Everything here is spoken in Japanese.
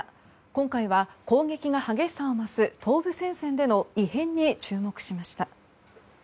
今回は攻撃が激しさを増す東部戦線での異変に注目しました。